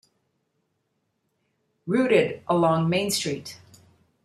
Routed along Main Street.